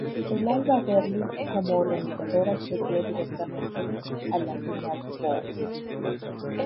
El Alba Berlin como organizador accedió directamente a la Final Four.